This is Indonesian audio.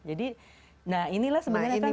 jadi nah inilah sebenarnya kan satu peluang